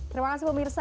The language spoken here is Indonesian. terima kasih pemirsa